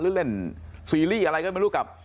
เล่นซีรีส์อะไรก็ไม่รู้กับ